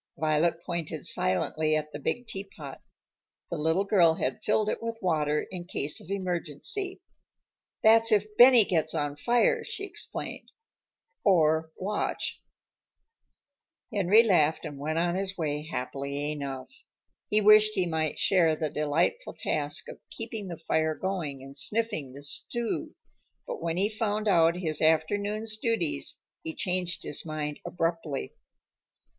Violet pointed silently at the big teapot. The little girl had filled it with water in case of emergency. "That's if Benny gets on fire," she explained "or Watch." Henry laughed and went on his way happily enough. He wished he might share the delightful task of keeping the fire going and sniffing the stew, but when he found out his afternoon's duties, he changed his mind abruptly.